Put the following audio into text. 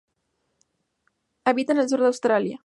Habita en el sur de Australia.